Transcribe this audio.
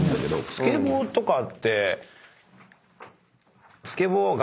スケボーとかって。